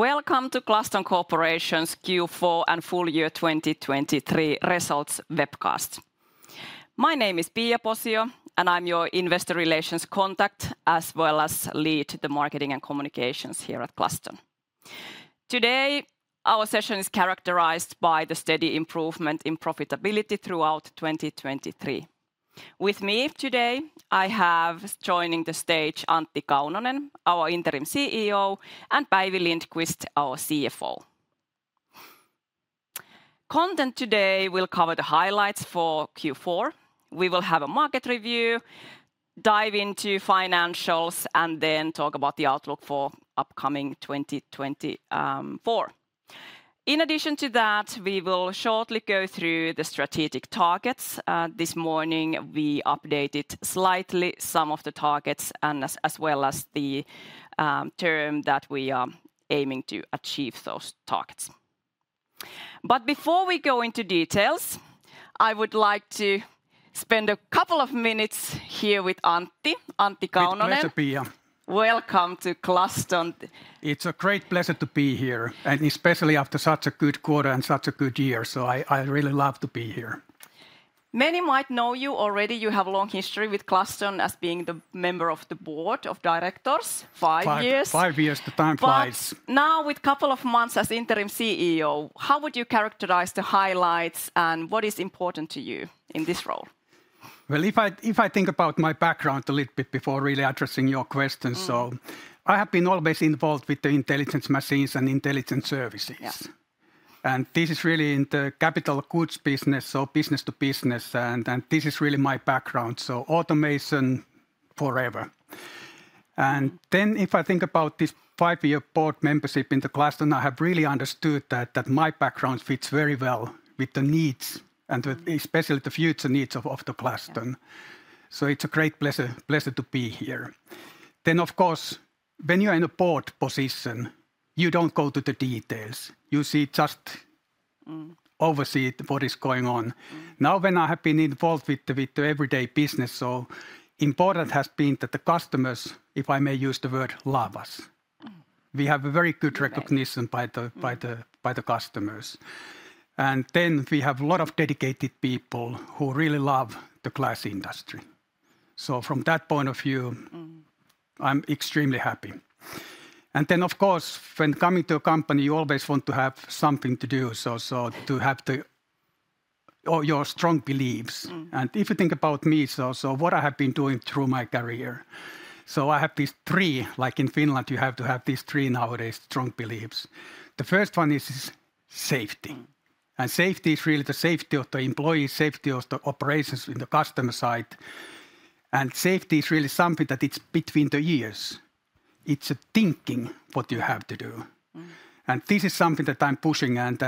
Welcome to Glaston Corporation's Q4 and full year 2023 results webcast. My name is Pia Posio, and I'm your Investor Relations Contact as well as lead the marketing and communications here at Glaston. Today, our session is characterized by the steady improvement in profitability throughout 2023. With me today, I have joining the stage Antti Kaunonen, our Interim CEO, and Päivi Lindqvist, our CFO. Content today will cover the highlights for Q4. We will have a market review, dive into financials, and then talk about the outlook for upcoming 2024. In addition to that, we will shortly go through the strategic targets. This morning, we updated slightly some of the targets as well as the term that we are aiming to achieve those targets. But before we go into details, I would like to spend a couple of minutes here with Antti. Antti Kaunonen. It's a pleasure, Pia. Welcome to Glaston. It's a great pleasure to be here, and especially after such a good quarter and such a good year. So I really love to be here. Many might know you already. You have a long history with Glaston as being the member of the board of directors. 5 years. Five years, the time flies. Now, with a couple of months as Interim CEO, how would you characterize the highlights and what is important to you in this role? Well, if I think about my background a little bit before really addressing your question, so I have been always involved with the intelligence machines and intelligent services. And this is really in the capital goods business, so business to business. And this is really my background. So automation forever. And then, if I think about this five-year board membership in the Glaston, I have really understood that my background fits very well with the needs and especially the future needs of the Glaston. So it's a great pleasure to be here. Then, of course, when you're in a board position, you don't go to the details. You just oversee what is going on. Now, when I have been involved with the everyday business, so important has been that the customers, if I may use the word, love us. We have a very good recognition by the customers. And then we have a lot of dedicated people who really love the glass industry. So from that point of view, I'm extremely happy. And then, of course, when coming to a company, you always want to have something to do, so to have your strong beliefs. And if you think about me, so what I have been doing through my career, so I have these three, like in Finland, you have to have these three nowadays strong beliefs. The first one is safety. And safety is really the safety of the employees, safety of the operations in the customer side. And safety is really something that it's between the ears. It's a thinking what you have to do. And this is something that I'm pushing. And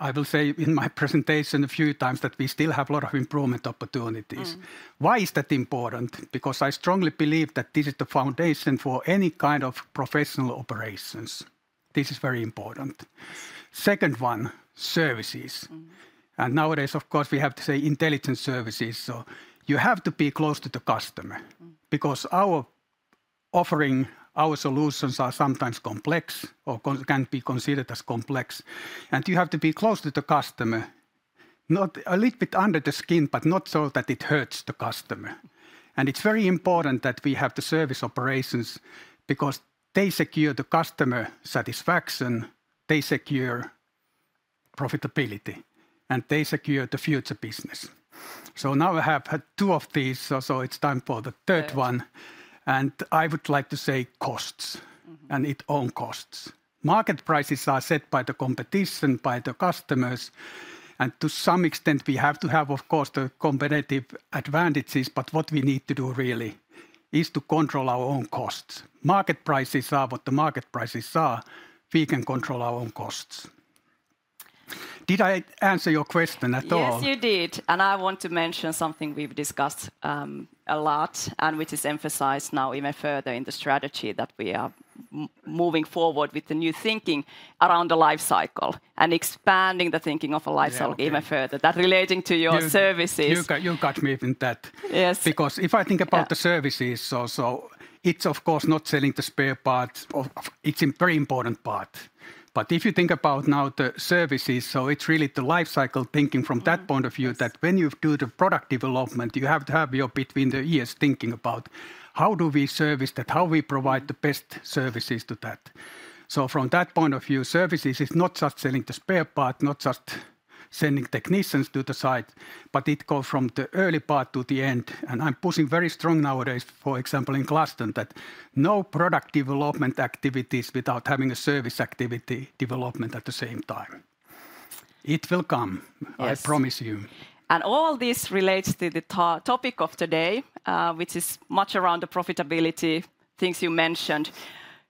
I will say in my presentation a few times that we still have a lot of improvement opportunities. Why is that important? Because I strongly believe that this is the foundation for any kind of professional operations. This is very important. Second one, services. Nowadays, of course, we have to say intelligent services. So you have to be close to the customer because our offering, our solutions are sometimes complex or can be considered as complex. And you have to be close to the customer, not a little bit under the skin, but not so that it hurts the customer. And it's very important that we have the service operations because they secure the customer satisfaction, they secure profitability, and they secure the future business. So now I have two of these, so it's time for the third one. And I would like to say costs and its own costs. Market prices are set by the competition, by the customers. To some extent, we have to have, of course, the competitive advantages. But what we need to do really is to control our own costs. Market prices are what the market prices are. We can control our own costs. Did I answer your question at all? Yes, you did. And I want to mention something we've discussed a lot and which is emphasized now even further in the strategy that we are moving forward with the new thinking around the life cycle and expanding the thinking of a life cycle even further. That relating to your services. You got me in that. Because if I think about the services, so it's, of course, not selling the spare parts. It's a very important part. But if you think about now the services, so it's really the life cycle thinking from that point of view that when you do the product development, you have to have your between the ears thinking about how do we service that, how we provide the best services to that. So from that point of view, services is not just selling the spare parts, not just sending technicians to the site, but it goes from the early part to the end. And I'm pushing very strong nowadays, for example, in Glaston, that no product development activities without having a service activity development at the same time. It will come, I promise you. All this relates to the topic of today, which is much around the profitability things you mentioned.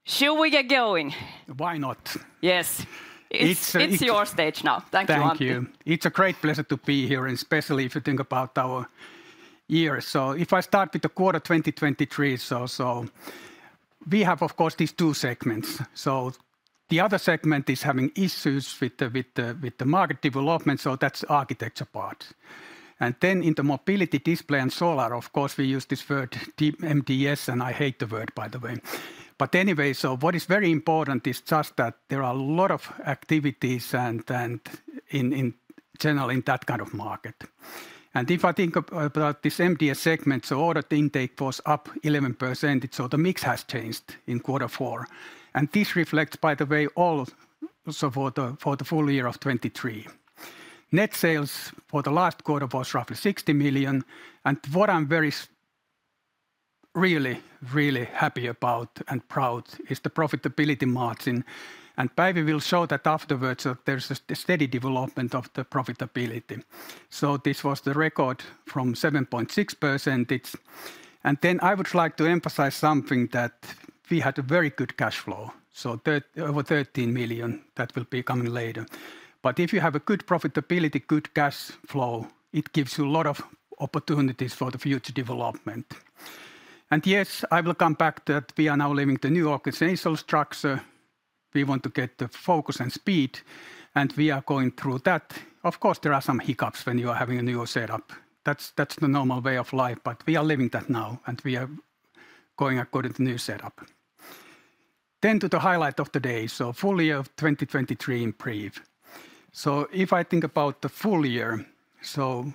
Should we get going? Why not? Yes. It's your stage now. Thank you, Antti. Thank you. It's a great pleasure to be here, and especially if you think about our years. So if I start with the quarter 2023, so we have, of course, these two segments. So the other segment is having issues with the market development. So that's the Architecture part. And then in the Mobility Display and Solar, of course, we use this word MDS, and I hate the word, by the way. But anyway, so what is very important is just that there are a lot of activities and in general in that kind of market. And if I think about this MDS segment, so order intake was up 11%. So the mix has changed in quarter four. And this reflects, by the way, all for the full year of 2023. Net sales for the last quarter was roughly 60 million. What I'm very, really, really happy about and proud is the profitability margin. Päivi will show that afterwards that there's a steady development of the profitability. This was the record from 7.6%. Then I would like to emphasize something that we had a very good cash flow. Over 13 million, that will be coming later. But if you have a good profitability, good cash flow, it gives you a lot of opportunities for the future development. Yes, I will come back to that we are now living the new organizational structure. We want to get the focus and speed, and we are going through that. Of course, there are some hiccups when you are having a new setup. That's the normal way of life, but we are living that now, and we are going according to the new setup. Then, to the highlight of the day: the full year of 2023 improve. So if I think about the full year, so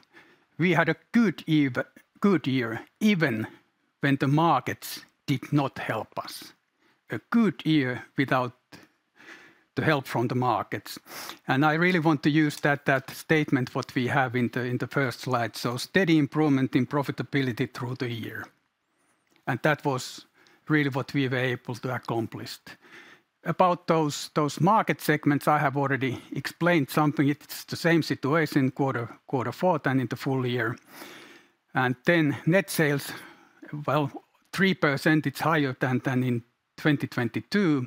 we had a good year even when the markets did not help us. A good year without the help from the markets. And I really want to use that statement what we have in the first slide. So steady improvement in profitability through the year. And that was really what we were able to accomplish. About those market segments, I have already explained something. It's the same situation quarter four and in the full year. And then net sales, well, 3%, it's higher than in 2022.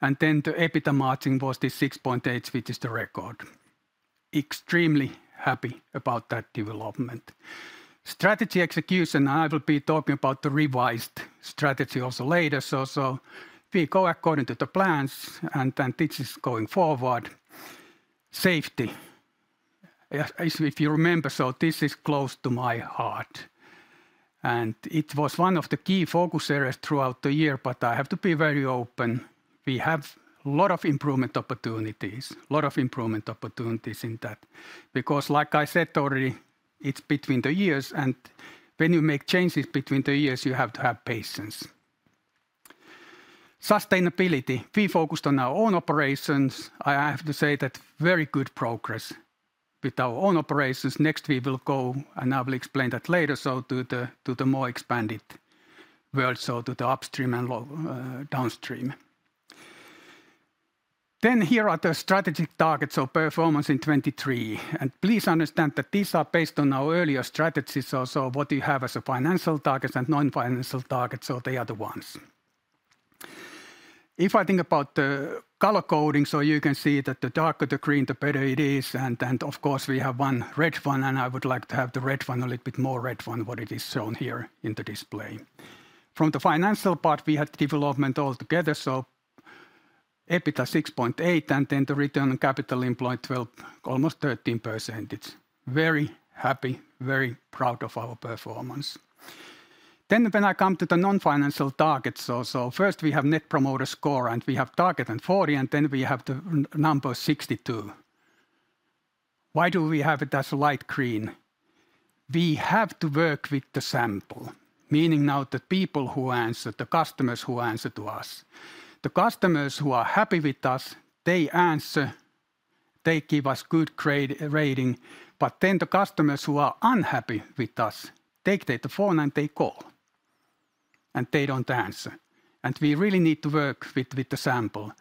And then the EBITDA margin was this 6.8%, which is the record. Extremely happy about that development. Strategy execution, I will be talking about the revised strategy also later. So we go according to the plans, and this is going forward. Safety, if you remember, so this is close to my heart. It was one of the key focus areas throughout the year, but I have to be very open. We have a lot of improvement opportunities, a lot of improvement opportunities in that because, like I said already, it's between the ears. When you make changes between the ears, you have to have patience. Sustainability, we focused on our own operations. I have to say, very good progress with our own operations. Next, we will go, and I will explain that later, so to the more expanded world, so to the upstream and downstream. Then here are the strategic targets, so performance in 2023. Please understand that these are based on our earlier strategies, so what you have as a financial targets and non-financial targets, so they are the ones. If I think about the color coding, so you can see that the darker the green, the better it is. And of course, we have one red one, and I would like to have the red one a little bit more red one, what it is shown here in the display. From the financial part, we had development altogether, so EBITDA 6.8, and then the return on capital employed almost 13%. I'm very happy, very proud of our performance. Then when I come to the non-financial targets, so first we have Net Promoter Score, and we have target and 40, and then we have the number 62. Why do we have it as light green? We have to work with the sample, meaning now that people who answer, the customers who answer to us, the customers who are happy with us, they answer, they give us good rating. But then the customers who are unhappy with us, they take the phone and they call, and they don't answer. And we really need to work with the sample.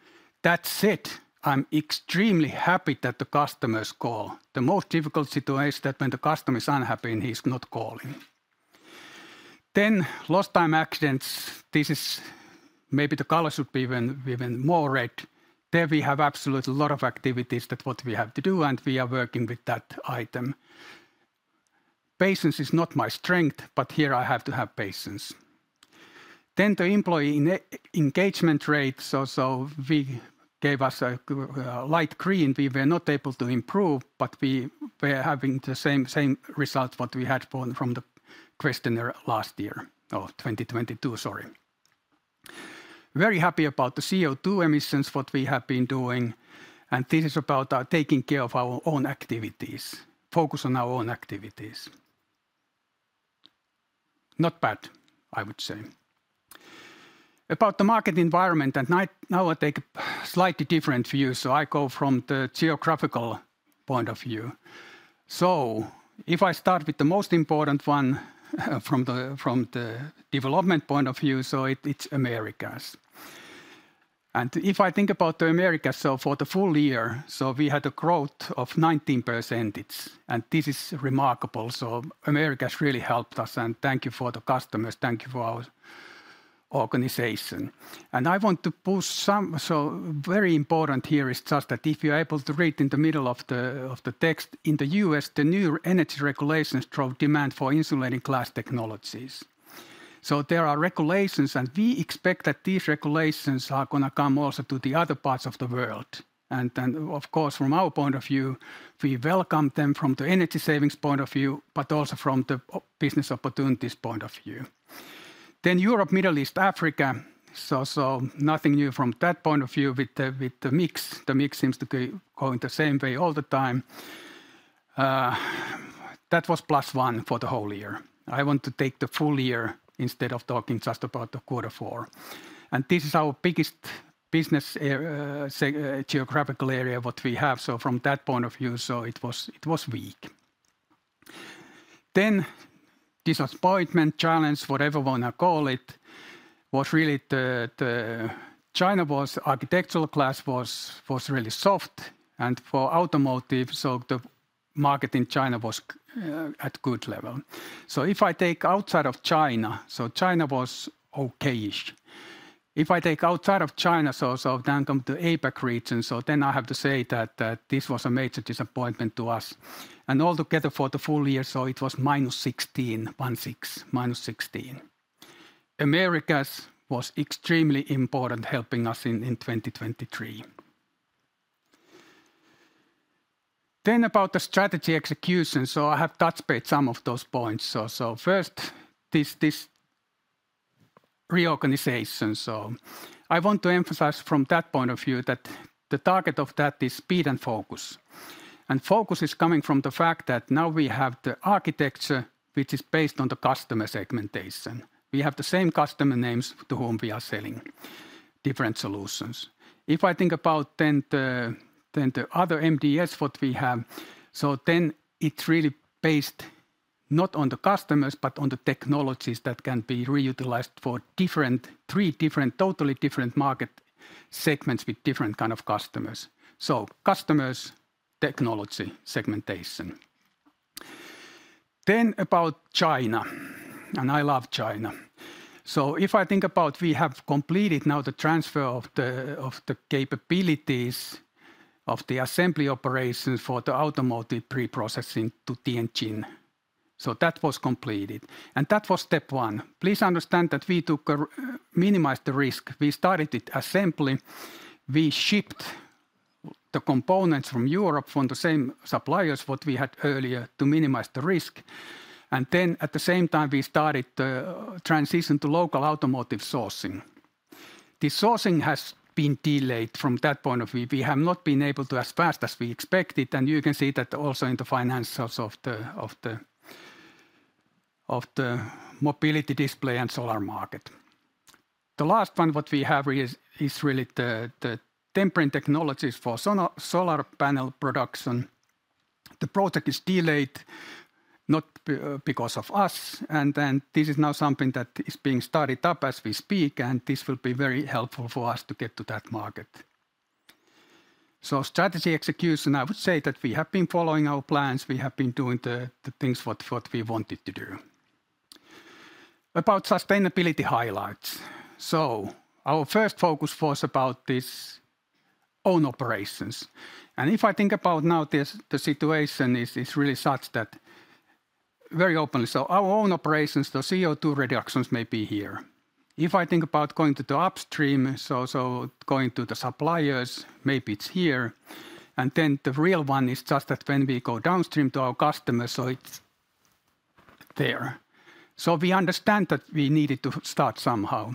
That said, I'm extremely happy that the customers call. The most difficult situation is that when the customer is unhappy, he's not calling. Then lost time accidents, this is maybe the color should be even more red. There, we have absolutely a lot of activities that what we have to do, and we are working with that item. Patience is not my strength, but here I have to have patience. Then the employee engagement rate, so we gave us a light green. We were not able to improve, but we were having the same result what we had from the questionnaire last year or 2022, sorry. Very happy about the CO2 emissions what we have been doing. This is about taking care of our own activities, focus on our own activities. Not bad, I would say. About the market environment, and now I take a slightly different view. So I go from the geographical point of view. So if I start with the most important one from the development point of view, so it's Americas. And if I think about the Americas, so for the full year, so we had a growth of 19%. And this is remarkable. So Americas really helped us. And thank you for the customers. Thank you for our organization. And I want to push some, so very important here is just that if you're able to read in the middle of the text, in the U.S., the new energy regulations drove demand for insulating glass technologies. So there are regulations, and we expect that these regulations are going to come also to the other parts of the world. And of course, from our point of view, we welcome them from the energy savings point of view, but also from the business opportunities point of view. Then Europe, Middle East, Africa, so nothing new from that point of view with the mix. The mix seems to be going the same way all the time. That was +1 for the whole year. I want to take the full year instead of talking just about quarter four. And this is our biggest business geographical area what we have. So from that point of view, so it was weak. Then disappointment, challenge, whatever one I call it, was really the China was architectural glass was really soft. For automotive, so the market in China was at good level. So if I take outside of China, so China was okay-ish. If I take outside of China, so then come to APAC region, so then I have to say that this was a major disappointment to us. And altogether for the full year, so it was -16, 1.6, -16. Americas was extremely important helping us in 2023. Then about the strategy execution, so I have touched base some of those points. So first, this reorganization. So I want to emphasize from that point of view that the target of that is speed and focus. And focus is coming from the fact that now we have the architecture, which is based on the customer segmentation. We have the same customer names to whom we are selling different solutions. If I think about then the other MDS what we have, so then it's really based not on the customers, but on the technologies that can be reutilized for three different totally different market segments with different kind of customers. So customers, technology, segmentation. Then about China, and I love China. So if I think about we have completed now the transfer of the capabilities of the assembly operations for the automotive pre-processing to Tianjin. So that was completed. And that was step one. Please understand that we took a minimize the risk. We started it assembly. We shipped the components from Europe, from the same suppliers what we had earlier to minimize the risk. And then at the same time, we started the transition to local automotive sourcing. This sourcing has been delayed from that point of view. We have not been able to as fast as we expected. You can see that also in the financials of the Mobility Display and Solar market. The last one what we have is really the Tempering Technologies for solar panel production. The project is delayed not because of us. Then this is now something that is being started up as we speak. And this will be very helpful for us to get to that market. So strategy execution, I would say that we have been following our plans. We have been doing the things what we wanted to do. About sustainability highlights. Our first focus was about this own operations. And if I think about now, the situation is really such that very openly, so our own operations, the CO2 reductions may be here. If I think about going to the upstream, so going to the suppliers, maybe it's here. And then the real one is just that when we go downstream to our customers, so it's there. So we understand that we needed to start somehow.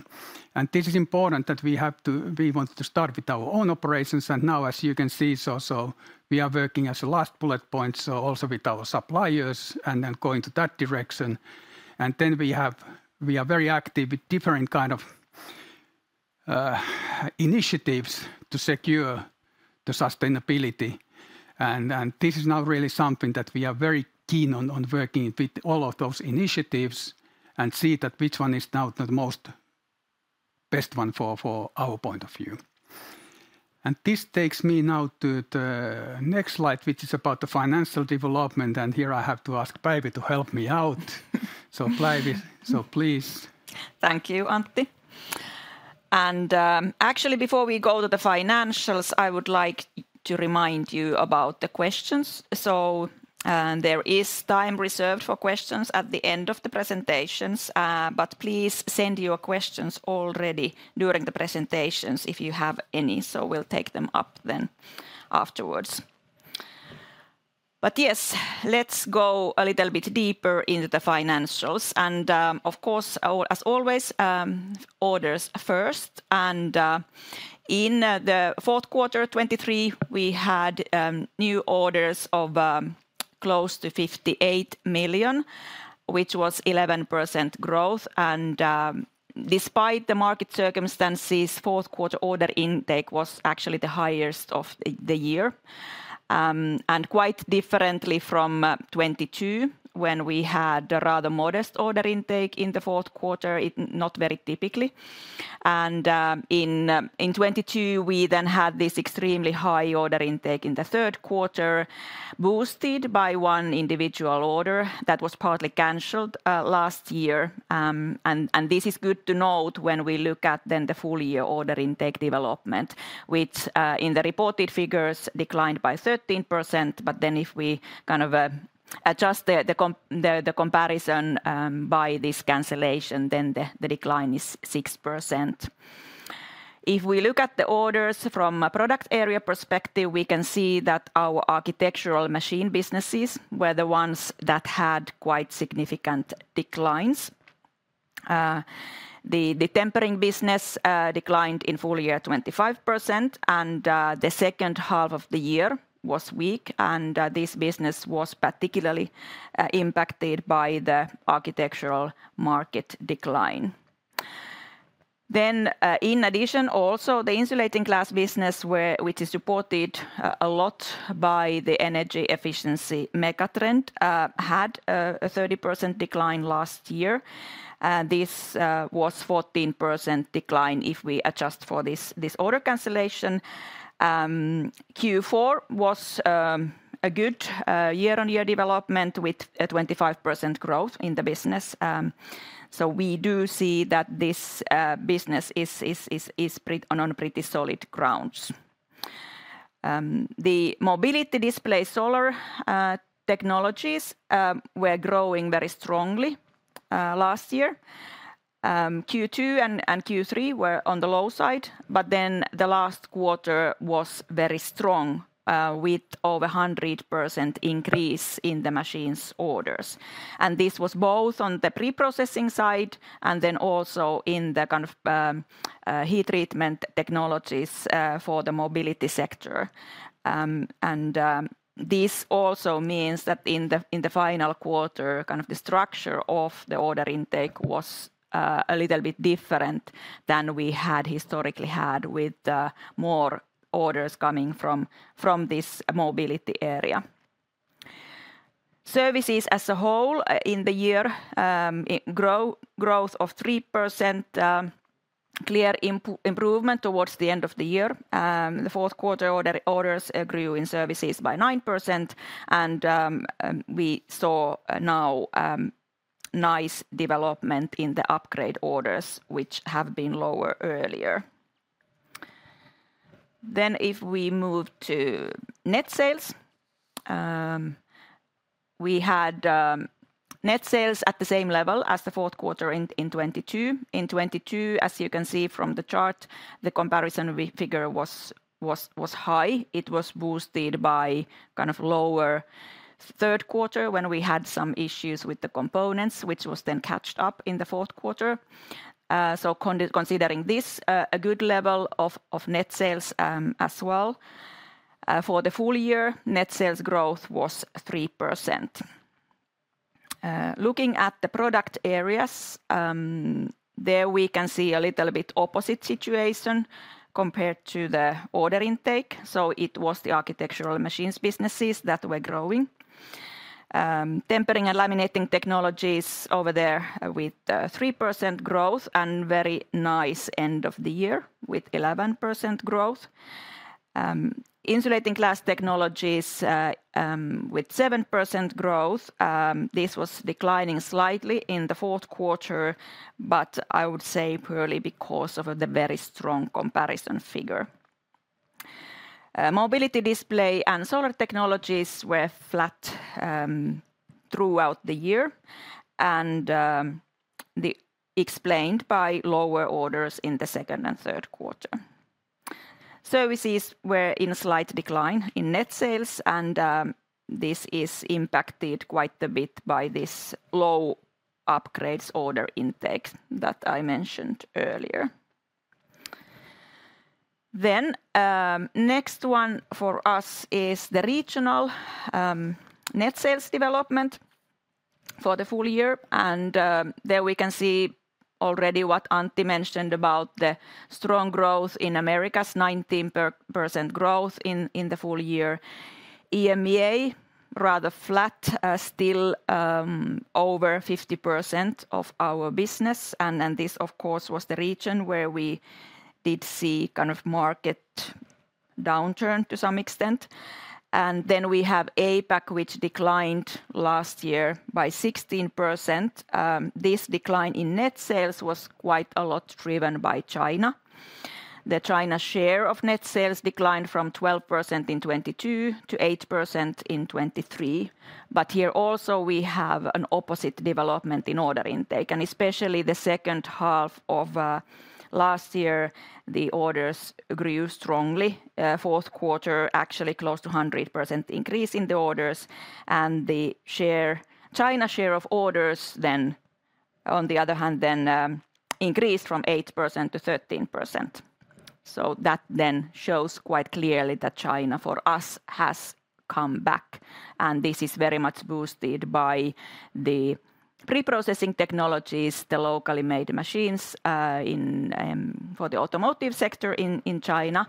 And this is important that we have to we want to start with our own operations. And now, as you can see, so we are working as a last bullet point, so also with our suppliers and then going to that direction. And then we are very active with different kind of initiatives to secure the sustainability. And this is now really something that we are very keen on working with all of those initiatives and see that which one is now the best one for our point of view. And this takes me now to the next slide, which is about the financial development. And here I have to ask Päivi to help me out. So Päivi, so please. Thank you, Antti. Actually, before we go to the financials, I would like to remind you about the questions. There is time reserved for questions at the end of the presentations. Please send your questions already during the presentations if you have any. We'll take them up then afterwards. Yes, let's go a little bit deeper into the financials. Of course, as always, orders first. In the fourth quarter 2023, we had new orders of close to 58 million, which was 11% growth. Despite the market circumstances, fourth quarter order intake was actually the highest of the year. Quite differently from 2022 when we had rather modest order intake in the fourth quarter, not very typically. And in 2022, we then had this extremely high order intake in the third quarter boosted by one individual order that was partly canceled last year. And this is good to note when we look at then the full year order intake development, which in the reported figures declined by 13%. But then if we kind of adjust the comparison by this cancellation, then the decline is 6%. If we look at the orders from a product area perspective, we can see that our architectural machine businesses were the ones that had quite significant declines. The Tempering business declined in full year 25%. And the second half of the year was weak. And this business was particularly impacted by the architectural market decline. Then in addition, also, the insulating glass business, which is supported a lot by the energy efficiency megatrend, had a 30% decline last year. This was a 14% decline if we adjust for this order cancellation. Q4 was a good year-on-year development with a 25% growth in the business. So we do see that this business is on pretty solid grounds. The mobility display solar technologies were growing very strongly last year. Q2 and Q3 were on the low side. But then the last quarter was very strong with over 100% increase in the machines' orders. And this was both on the pre-processing side and then also in the kind of heat treatment technologies for the mobility sector. And this also means that in the final quarter, kind of the structure of the order intake was a little bit different than we had historically had with more orders coming from this mobility area. Services as a whole in the year, growth of 3%, clear improvement towards the end of the year. The fourth quarter orders grew in services by 9%. We saw now nice development in the upgrade orders, which have been lower earlier. If we move to net sales, we had net sales at the same level as the fourth quarter in 2022. In 2022, as you can see from the chart, the comparison figure was high. It was boosted by kind of lower third quarter when we had some issues with the components, which was then caught up in the fourth quarter. Considering this, a good level of net sales as well. For the full year, net sales growth was 3%. Looking at the product areas, there we can see a little bit opposite situation compared to the order intake. It was the architectural machines businesses that were growing. Tempering and Laminating Technologies over there with 3% growth and very nice end of the year with 11% growth. Insulating glass technologies with 7% growth. This was declining slightly in the fourth quarter, but I would say purely because of the very strong comparison figure. Mobility Display and Solar technologies were flat throughout the year and explained by lower orders in the second and third quarter. Services were in slight decline in net sales. This is impacted quite a bit by this low upgrades order intake that I mentioned earlier. Next one for us is the regional net sales development for the full year. There we can see already what Antti mentioned about the strong growth in Americas, 19% growth in the full year. EMEA, rather flat, still over 50% of our business. This, of course, was the region where we did see kind of market downturn to some extent. Then we have APAC, which declined last year by 16%. This decline in net sales was quite a lot driven by China. The China share of net sales declined from 12% in 2022 to 8% in 2023. But here also, we have an opposite development in order intake. And especially the second half of last year, the orders grew strongly. Fourth quarter, actually close to 100% increase in the orders. And the China share of orders then, on the other hand, then increased from 8%-13%. So that then shows quite clearly that China for us has come back. And this is very much boosted by the preprocessing technologies, the locally made machines for the automotive sector in China,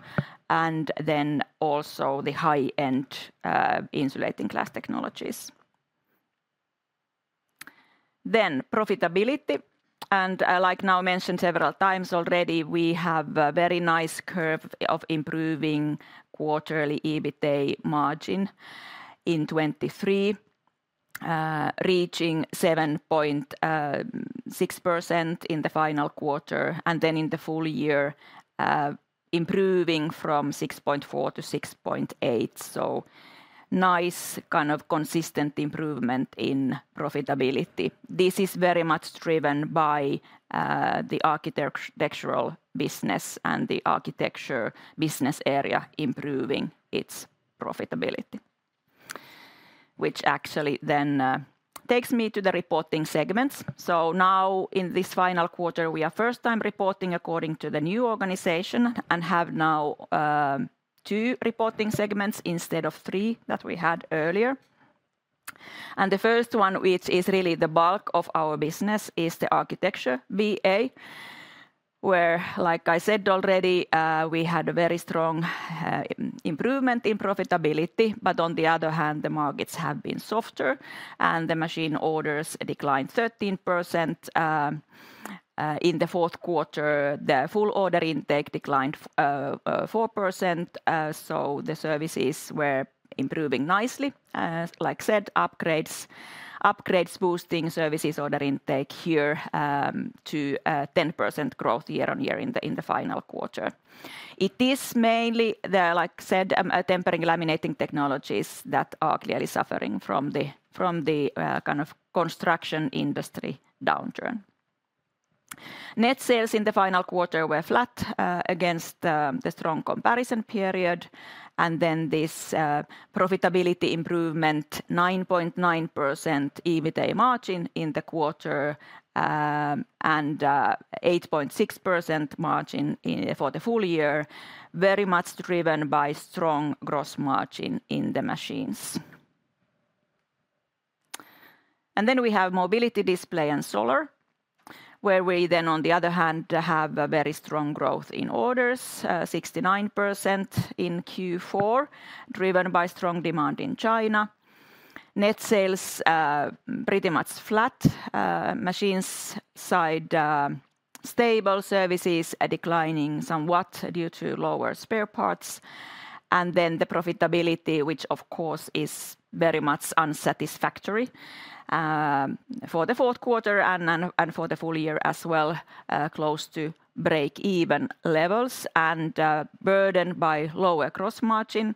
and then also the high-end insulating glass technologies. Then profitability. And, like, now mentioned several times already, we have a very nice curve of improving quarterly EBITDA margin in 2023, reaching 7.6% in the final quarter. And then in the full year, improving from 6.4%-6.8%. So nice kind of consistent improvement in profitability. This is very much driven by the architectural business and the Architecture Business Area improving its profitability, which actually then takes me to the reporting segments. So now in this final quarter, we are first time reporting according to the new organization and have now two reporting segments instead of three that we had earlier. And the first one, which is really the bulk of our business, is the Architecture BA, where, like I said already, we had a very strong improvement in profitability. But on the other hand, the markets have been softer. And the machine orders declined 13% in the fourth quarter. The full order intake declined 4%. So the services were improving nicely. Like said, upgrades boosting services order intake here to 10% growth year-on-year in the final quarter. It is mainly, like said, Tempering and Laminating Technologies that are clearly suffering from the kind of construction industry downturn. Net sales in the final quarter were flat against the strong comparison period. And then this profitability improvement, 9.9% EBITDA margin in the quarter and 8.6% margin for the full year, very much driven by strong gross margin in the machines. And then we have Mobility Display and Solar, where we then, on the other hand, have a very strong growth in orders, 69% in Q4, driven by strong demand in China. Net sales pretty much flat. Machines side stable, services declining somewhat due to lower spare parts. The profitability, which of course is very much unsatisfactory for the fourth quarter and for the full year as well, close to break-even levels and burdened by lower gross margin,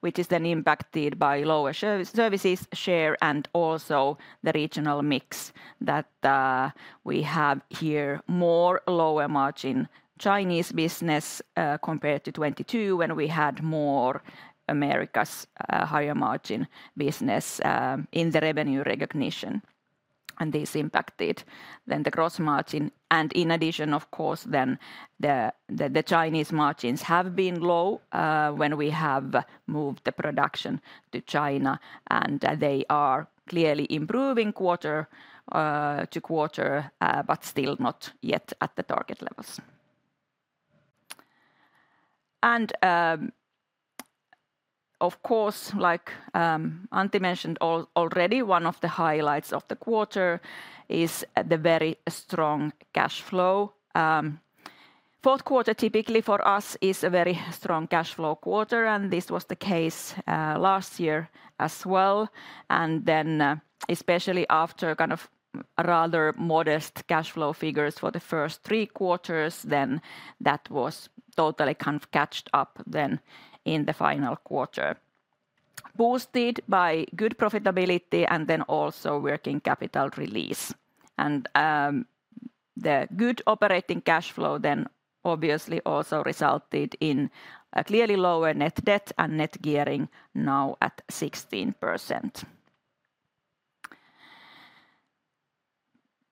which is then impacted by lower services share and also the regional mix that we have here, more lower margin Chinese business compared to 2022 when we had more America's higher margin business in the revenue recognition. And this impacted then the gross margin. And in addition, of course, then the Chinese margins have been low when we have moved the production to China. And they are clearly improving quarter to quarter, but still not yet at the target levels. And of course, like Antti mentioned already, one of the highlights of the quarter is the very strong cash flow. Fourth quarter typically for us is a very strong cash flow quarter. This was the case last year as well. Then especially after kind of rather modest cash flow figures for the first three quarters, then that was totally kind of caught up then in the final quarter, boosted by good profitability and then also working capital release. And the good operating cash flow then obviously also resulted in clearly lower net debt and net gearing now at 16%.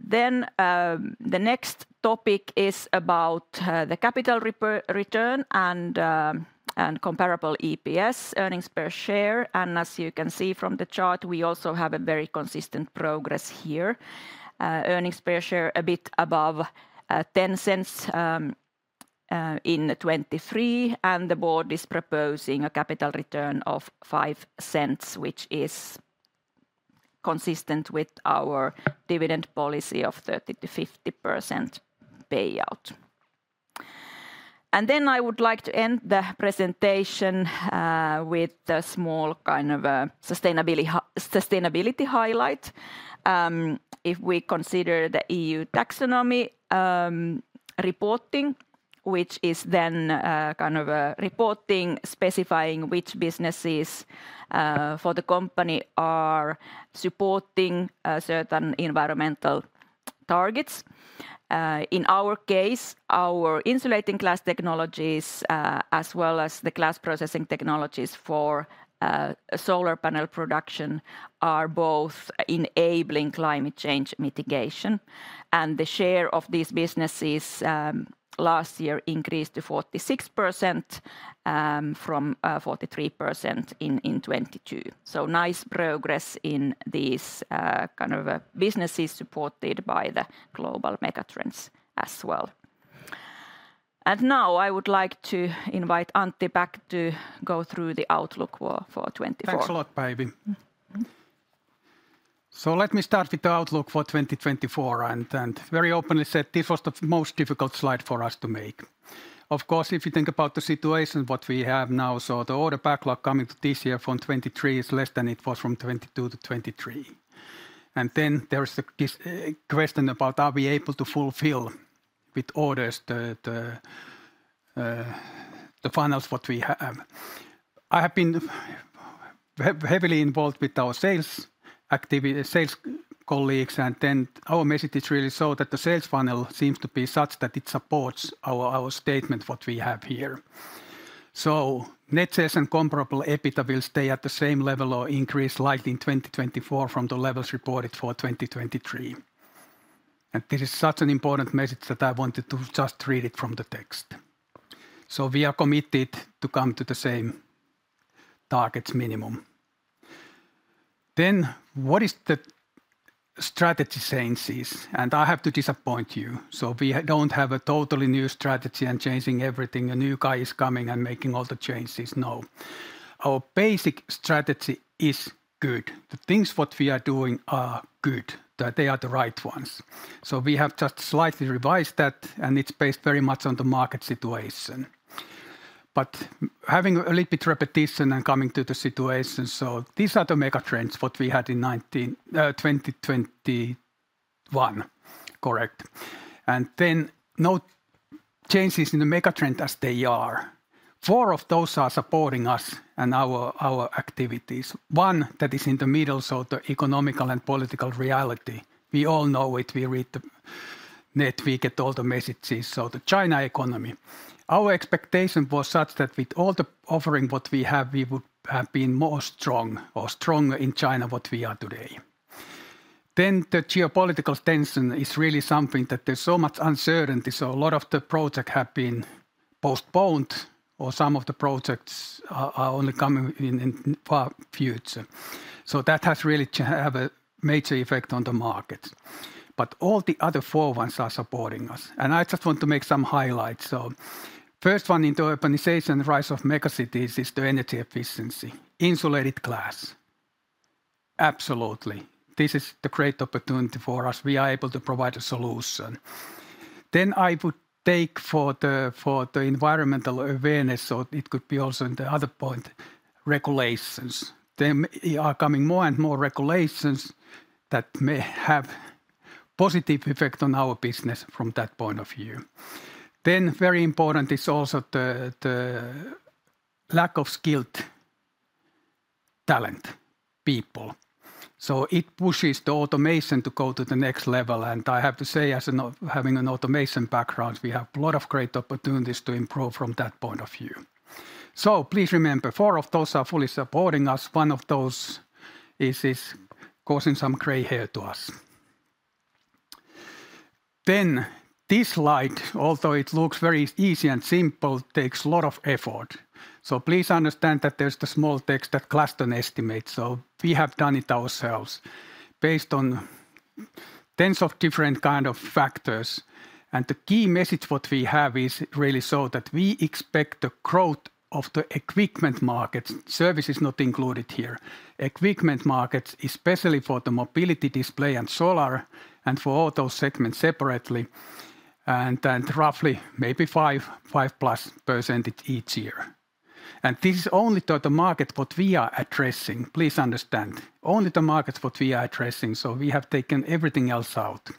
Then the next topic is about the capital return and comparable EPS, earnings per share. And as you can see from the chart, we also have a very consistent progress here, earnings per share a bit above 0.10 EUR in 2023. And the board is proposing a capital return of 0.05 EUR, which is consistent with our dividend policy of 30%-50% payout. And then I would like to end the presentation with a small kind of sustainability highlight. If we consider the EU Taxonomy reporting, which is then kind of reporting specifying which businesses for the company are supporting certain environmental targets. In our case, our insulating glass technologies as well as the glass processing technologies for solar panel production are both enabling climate change mitigation. The share of these businesses last year increased to 46% from 43% in 2022. So nice progress in these kind of businesses supported by the global megatrends as well. Now I would like to invite Antti back to go through the outlook for 2024. Thanks a lot, Päivi. So let me start with the outlook for 2024. Very openly said, this was the most difficult slide for us to make. Of course, if you think about the situation what we have now, so the order backlog coming to this year from 2023 is less than it was from 2022-2023. And then there is the question about are we able to fulfill with orders the funnels what we have. I have been heavily involved with our sales colleagues, and then our message is really so that the sales funnel seems to be such that it supports our statement what we have here. So net sales and Comparable EBITDA will stay at the same level or increase slightly in 2024 from the levels reported for 2023. And this is such an important message that I wanted to just read it from the text. So we are committed to come to the same targets minimum. Then what is the strategy changes? And I have to disappoint you. So we don't have a totally new strategy and changing everything. A new guy is coming and making all the changes. No. Our basic strategy is good. The things what we are doing are good. They are the right ones. So we have just slightly revised that, and it's based very much on the market situation. But having a little bit repetition and coming to the situation. So these are the megatrends what we had in 2021, correct. And then note changes in the megatrend as they are. Four of those are supporting us and our activities. One that is in the middle, so the economical and political reality. We all know it. We read the net. We get all the messages. So the China economy. Our expectation was such that with all the offering what we have, we would have been more strong or stronger in China what we are today. Then the geopolitical tension is really something that there's so much uncertainty. So a lot of the projects have been postponed or some of the projects are only coming in the far future. So that has really to have a major effect on the market. But all the other four ones are supporting us. And I just want to make some highlights. So first one in the urbanization, the rise of megacities is the energy efficiency, insulated glass. Absolutely. This is the great opportunity for us. We are able to provide a solution. Then I would take for the environmental awareness, so it could be also in the other point, regulations. There are coming more and more regulations that may have a positive effect on our business from that point of view. Then very important is also the lack of skilled talent, people. So it pushes the automation to go to the next level, and I have to say, as having an automation background, we have a lot of great opportunities to improve from that point of view. So please remember, 4 of those are fully supporting us. 1 of those is causing some gray hair to us. Then this slide, although it looks very easy and simple, takes a lot of effort. So please understand that there's the small text that Glaston estimates. So we have done it ourselves based on tens of different kind of factors. And the key message what we have is really so that we expect the growth of the equipment markets. Service is not included here. Equipment markets, especially for the Mobility Display and Solar and for all those segments separately, and roughly maybe 5%+ each year. This is only to the market what we are addressing. Please understand, only the markets what we are addressing. So we have taken everything else out.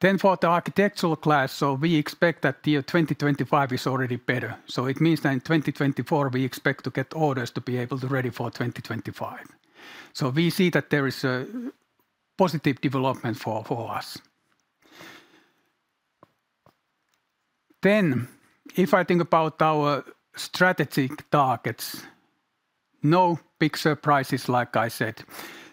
Then for the architectural glass, so we expect that 2025 is already better. So it means that in 2024, we expect to get orders to be able to ready for 2025. So we see that there is a positive development for us. Then if I think about our strategic targets, no big surprises, like I said.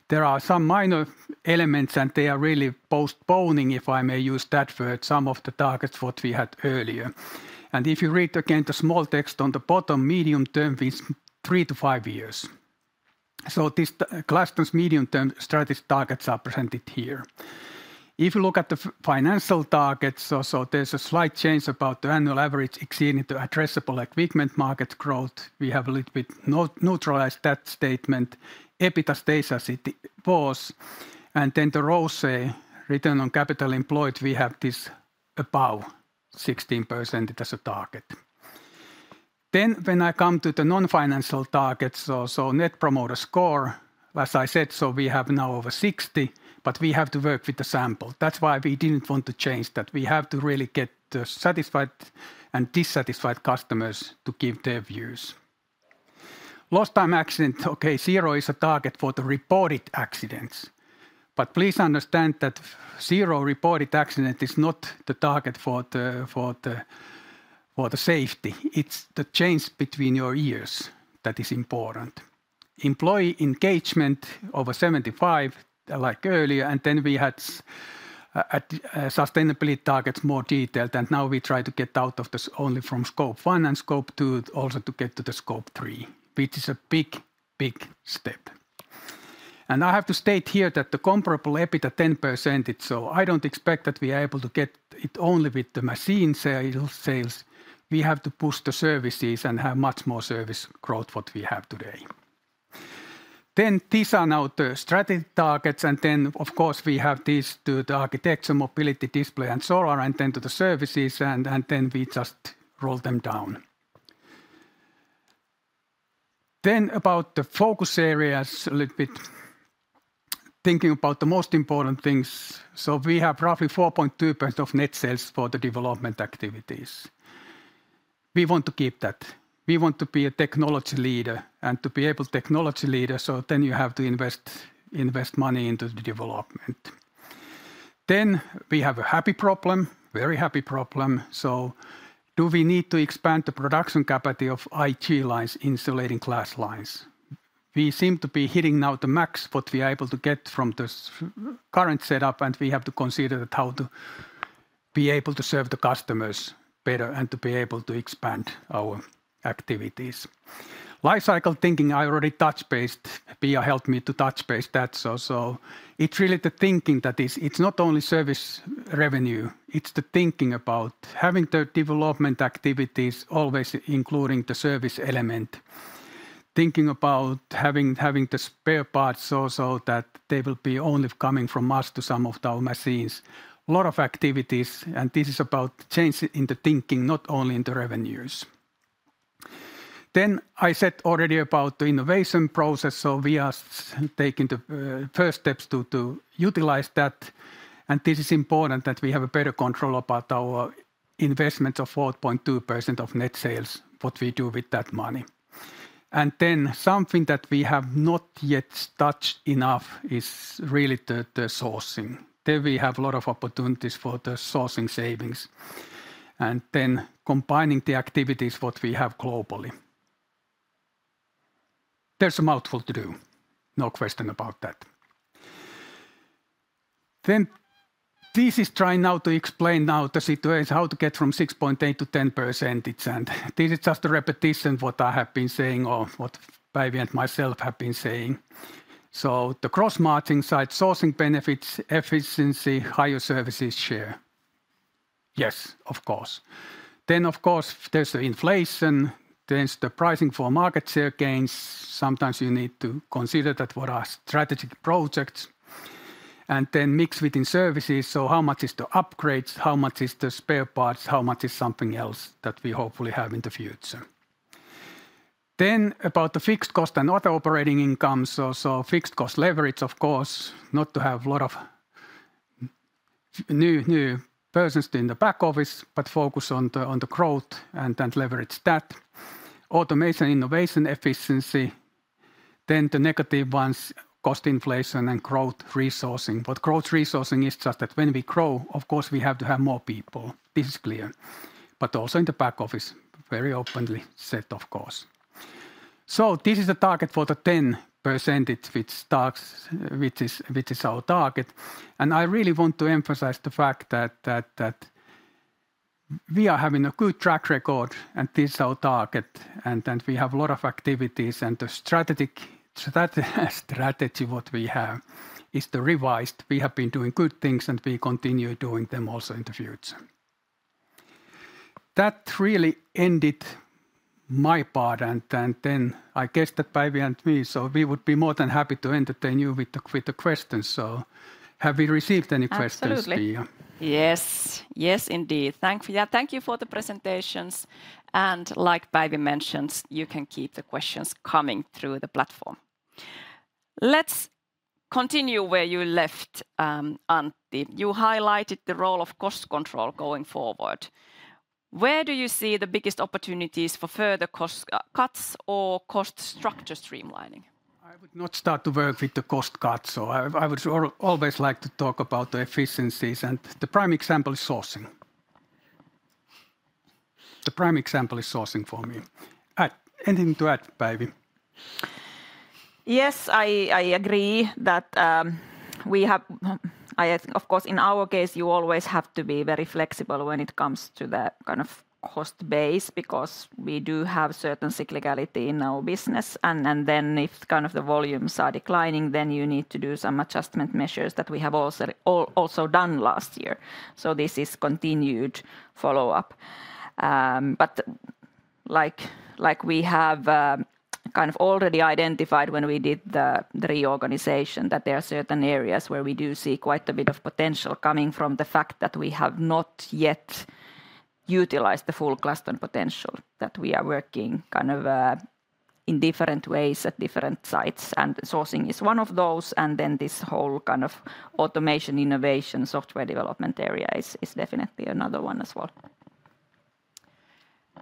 There are some minor elements and they are really postponing, if I may use that word, some of the targets what we had earlier. If you read again the small text on the bottom, medium term is 3 years-5 years. So this Glaston's medium term strategy targets are presented here. If you look at the financial targets, so there's a slight change about the annual average exceeding the addressable equipment market growth. We have a little bit neutralized that statement. EBITDA stays as it was. And then the ROCE, return on capital employed, we have this above 16% as a target. Then when I come to the non-financial targets, so Net Promoter Score, as I said, so we have now over 60, but we have to work with the sample. That's why we didn't want to change that. We have to really get the satisfied and dissatisfied customers to give their views. Lost time accident. Okay, 0 is a target for the reported accidents. But please understand that zero reported accident is not the target for the safety. It's the change between your years that is important. Employee engagement over 75, like earlier, and then we had sustainability targets more detailed, and now we try to get out of this only from Scope 1 and Scope 2 also to get to the Scope 3, which is a big, big step. And I have to state here that the comparable EBITDA 10%, so I don't expect that we are able to get it only with the machine sales. We have to push the services and have much more service growth what we have today. Then these are now the strategy targets, and then, of course, we have these to the Architecture, Mobility Display and Solar, and then to the services, and then we just roll them down. Then, about the focus areas, a little bit thinking about the most important things. So we have roughly 4.2% of net sales for the development activities. We want to keep that. We want to be a technology leader and to be able technology leader. So then you have to invest money into the development. Then we have a happy problem, very happy problem. So do we need to expand the production capacity of IG lines, insulating glass lines? We seem to be hitting now the max what we are able to get from the current setup, and we have to consider that how to be able to serve the customers better and to be able to expand our activities. Lifecycle thinking, I already touched base. Pia helped me to touch base that. So it's really the thinking that is it's not only service revenue. It's the thinking about having the development activities always including the service element, thinking about having the spare parts also that they will be only coming from us to some of our machines. A lot of activities. This is about change in the thinking, not only in the revenues. Then I said already about the innovation process. So we are taking the first steps to utilize that. This is important that we have a better control about our investments of 4.2% of net sales, what we do with that money. Then something that we have not yet touched enough is really the sourcing. Then we have a lot of opportunities for the sourcing savings. Then combining the activities what we have globally. There's a mouthful to do. No question about that. Then this is trying now to explain now the situation, how to get from 6.8%-10%, and this is just a repetition what I have been saying or what Päivi and myself have been saying. So the gross margin side, sourcing benefits, efficiency, higher services share. Yes, of course. Then, of course, there's the inflation. Then it's the pricing for market share gains. Sometimes you need to consider that what are strategic projects, and then mix within services. So how much is the upgrades? How much is the spare parts? How much is something else that we hopefully have in the future? Then about the fixed cost and other operating incomes. So fixed cost leverage, of course, not to have a lot of new persons in the back office, but focus on the growth and leverage that. Automation, innovation, efficiency. Then the negative ones, cost inflation and growth resourcing. What growth resourcing is is just that: when we grow, of course, we have to have more people. This is clear. But also in the back office, very openly said, of course. So this is the target for the 10%, which is our target. I really want to emphasize the fact that we are having a good track record. This is our target. We have a lot of activities. The strategy what we have is the revised. We have been doing good things and we continue doing them also in the future. That really ended my part. Then I guess that Päivi and me, so we would be more than happy to entertain you with the questions. So have we received any questions, Pia? Absolutely. Yes. Yes, indeed. Thank you. Yeah, thank you for the presentations and like Päivi mentioned, you can keep the questions coming through the platform. Let's continue where you left, Antti. You highlighted the role of cost control going forward. Where do you see the biggest opportunities for further cost cuts or cost structure streamlining? I would not start to work with the cost cuts. So I would always like to talk about the efficiencies, and the prime example is sourcing. The prime example is sourcing for me. Anything to add, Päivi? Yes, I agree that we have of course, in our case, you always have to be very flexible when it comes to the kind of cost base because we do have certain cyclicality in our business, and then if kind of the volumes are declining, then you need to do some adjustment measures that we have also done last year. So this is continued follow-up, but like we have kind of already identified when we did the reorganization, that there are certain areas where we do see quite a bit of potential coming from the fact that we have not yet utilized the full Glaston potential, that we are working kind of in different ways at different sites, and sourcing is one of those, and then this whole kind of automation, innovation, software development area is definitely another one as well.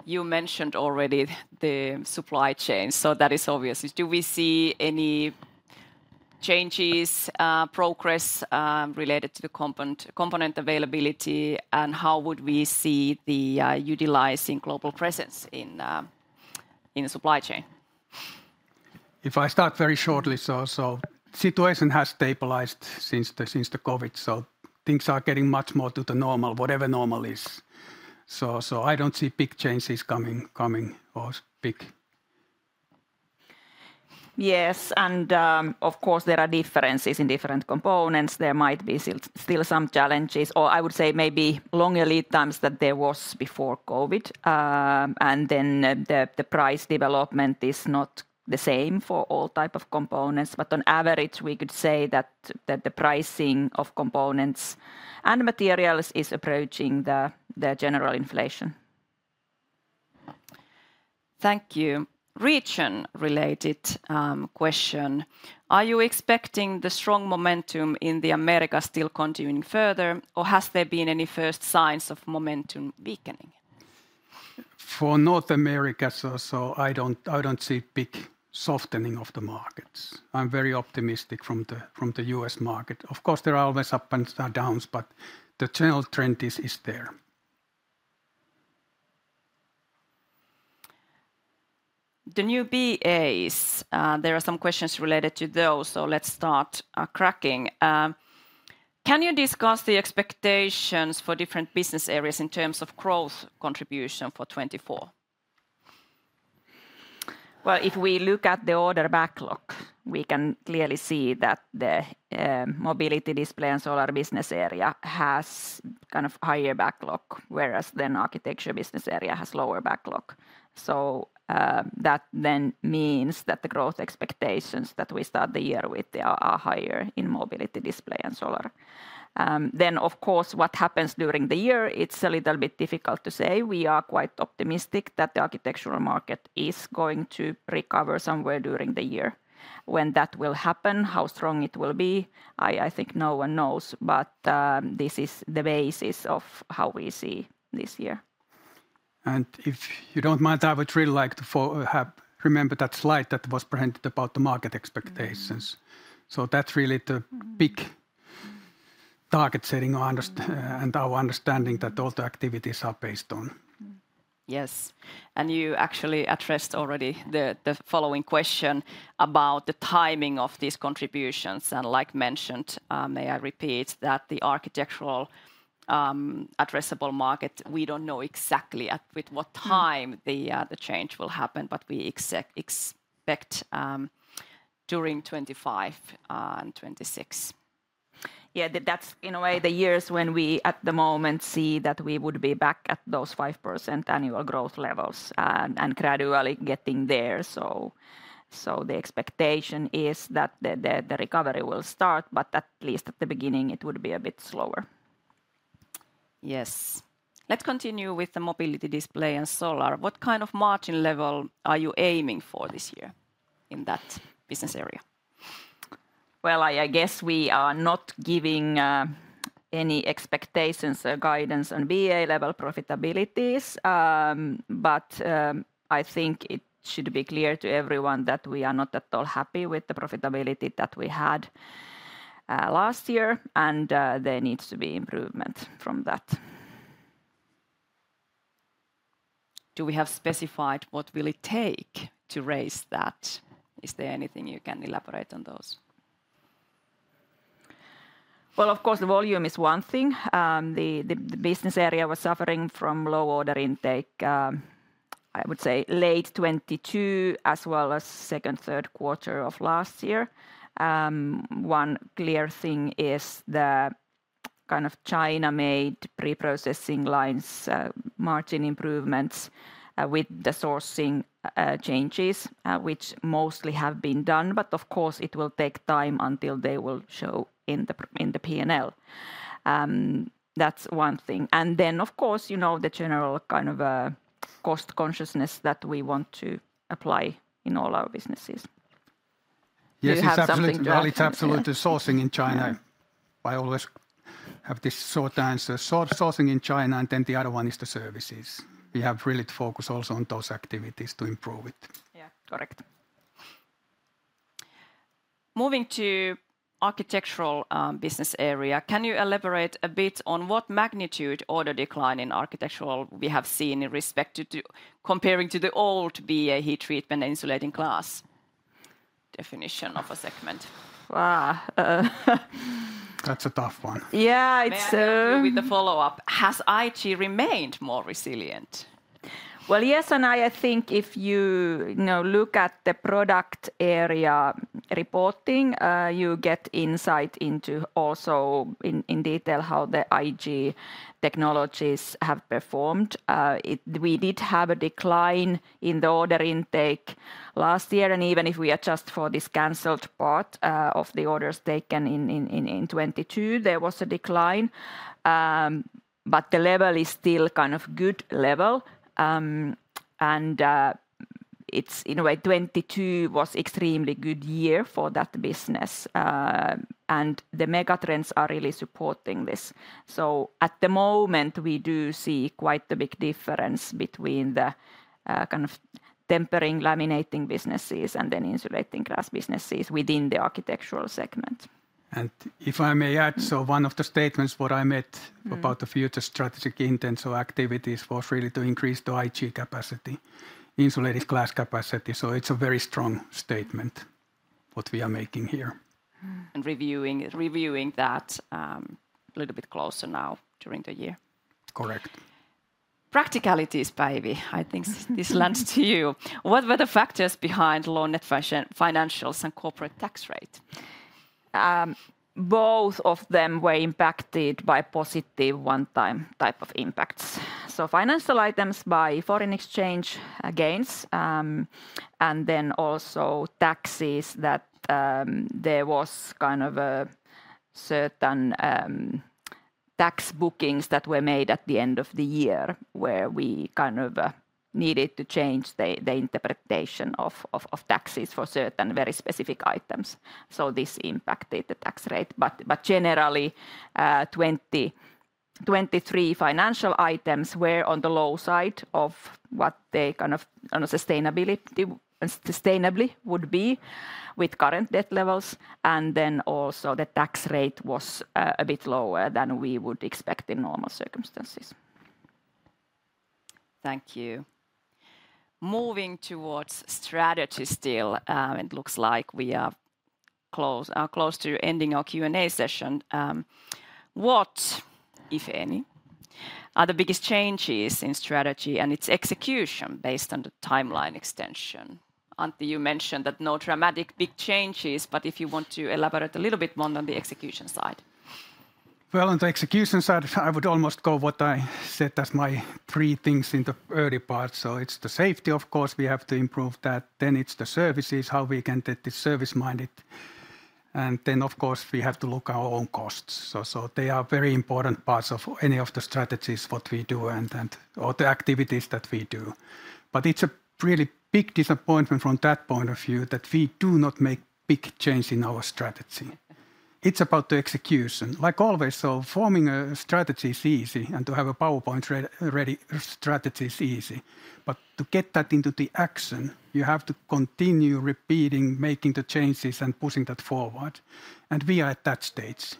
You mentioned already the supply chain. So that is obvious, do we see any changes, progress related to the component availability? And how would we see the utilizing global presence in the supply chain? If I start very shortly, so the situation has stabilized since the COVID. So things are getting much more to the normal, whatever normal is. So I don't see big changes coming or big. Yes. Of course, there are differences in different components. There might be still some challenges. Or I would say maybe longer lead times that there was before COVID. And then the price development is not the same for all type of components. But on average, we could say that the pricing of components and materials is approaching the general inflation. Thank you. Region-related question. Are you expecting the strong momentum in the Americas still continuing further? Or has there been any first signs of momentum weakening? For North America, so I don't see big softening of the markets. I'm very optimistic from the U.S. market. Of course, there are always ups and downs, but the general trend is there. The new BAs, there are some questions related to those. So let's start cracking. Can you discuss the expectations for different business areas in terms of growth contribution for 2024? Well, if we look at the order backlog, we can clearly see that the Mobility Display and Solar business area has kind of higher backlog, whereas then Architecture Business Area has lower backlog. So that then means that the growth expectations that we start the year with are higher in Mobility Display and Solar. Then, of course, what happens during the year, it's a little bit difficult to say. We are quite optimistic that the architectural market is going to recover somewhere during the year. When that will happen, how strong it will be, I think no one knows. But this is the basis of how we see this year. And if you don't mind, I would really like to remember that slide that was presented about the market expectations. So that's really the big target setting and our understanding that all the activities are based on. Yes. You actually addressed already the following question about the timing of these contributions. Like mentioned, may I repeat that the Architectural addressable market, we don't know exactly at what time the change will happen, but we expect during 2025 and 2026. Yeah, that's in a way the years when we at the moment see that we would be back at those 5% annual growth levels and gradually getting there. So the expectation is that the recovery will start, but at least at the beginning, it would be a bit slower. Yes. Let's continue with the Mobility Display and Solar. What kind of margin level are you aiming for this year in that business area? Well, I guess we are not giving any expectations or guidance on BA level profitabilities. But I think it should be clear to everyone that we are not at all happy with the profitability that we had last year. And there needs to be improvement from that. Do we have specified what will it take to raise that? Is there anything you can elaborate on those? Well, of course, the volume is one thing. The business area was suffering from low order intake, I would say late 2022 as well as second, third quarter of last year. One clear thing is the kind of China-made pre-processing lines margin improvements with the sourcing changes, which mostly have been done. But of course, it will take time until they will show in the P&L. That's one thing, and then, of course, you know the general kind of cost consciousness that we want to apply in all our businesses. Yes, it's absolutely related. Absolutely. Sourcing in China. I always have this short answer. Sourcing in China and then the other one is the services. We have really to focus also on those activities to improve it. Yeah, correct. Moving to architectural business area, can you elaborate a bit on what magnitude order decline in architectural we have seen in respect to comparing to the old BA heat treatment and insulating glass definition of a segment? Wow. That's a tough one. Yeah, it's so. Maybe with the follow-up. Has IG remained more resilient? Well, yes and I think if you look at the product area reporting, you get insight into also in detail how the IG technologies have performed. We did have a decline in the order intake last year, and even if we adjust for this canceled part of the orders taken in 2022, there was a decline, but the level is still kind of good level. It's in a way, 2022 was an extremely good year for that business, and the megatrends are really supporting this. So at the moment, we do see quite a big difference between the kind of tempering, laminating businesses and then insulating glass businesses within the architectural segment. And if I may add, so one of the statements what I meant about the future strategic intent or activities was really to increase the IG capacity, insulated glass capacity. So it's a very strong statement what we are making here. And reviewing that a little bit closer now during the year. Correct. Practicalities, Päivi. I think this lands to you. What were the factors behind net financials and corporate tax rate? B oth of them were impacted by positive one-time type of impacts. So financial items by foreign exchange gains, and then also taxes that there was kind of a certain tax bookings that were made at the end of the year where we kind of needed to change the interpretation of taxes for certain very specific items. So this impacted the tax rate. But generally, 2023 financial items were on the low side of what they kind of sustainably would be with current debt levels, and then also the tax rate was a bit lower than we would expect in normal circumstances. Thank you. Moving towards strategy still. It looks like we are close to ending our Q&A session. What, if any, are the biggest changes in strategy and its execution based on the timeline extension? Antti, you mentioned that no dramatic big changes. But if you want to elaborate a little bit more on the execution side. Well, on the execution side, I would almost go what I said as my three things in the early part. So it's the safety, of course. We have to improve that. Then it's the services, how we can get this service-minded. And then, of course, we have to look at our own costs. So they are very important parts of any of the strategies, what we do and all the activities that we do. But it's a really big disappointment from that point of view that we do not make big change in our strategy. It's about the execution. Like always, so forming a strategy is easy, and to have a PowerPoint ready strategy is easy. But to get that into the action, you have to continue repeating, making the changes and pushing that forward, and we are at that stage,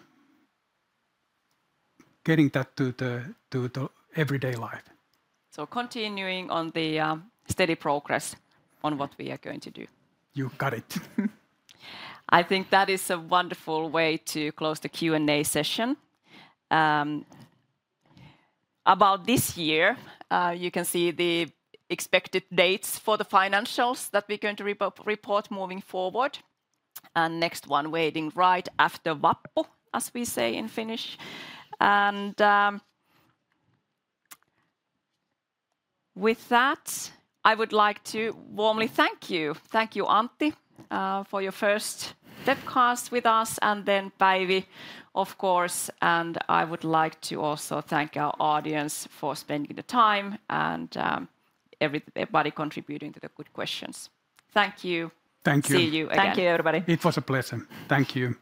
getting that to the everyday life. So, continuing on the steady progress on what we are going to do. You got it. I think that is a wonderful way to close the Q&A session. About this year, you can see the expected dates for the financials that we're going to report moving forward. And next one waiting right after Vappu, as we say in Finnish. And with that, I would like to warmly thank you. Thank you, Antti, for your first webcast with us, and then Päivi, of course, and I would like to also thank our audience for spending the time and everybody contributing to the good questions. Thank you. Thank you. See you again. Thank you, everybody. It was a pleasure. Thank you.